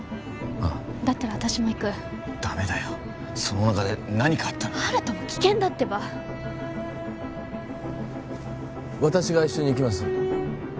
ああだったら私も行くダメだよそのおなかで何かあったら温人も危険だってば私が一緒に行きます